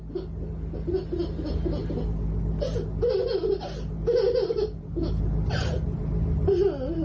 ม่าสุทธิภาษี